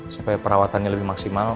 supaya perawatannya lebih maksimal